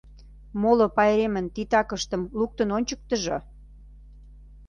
Моло пайремын титакыштым луктын ончыктыжо.